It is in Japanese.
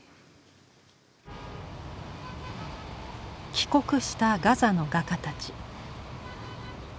帰国したガザの画家たち。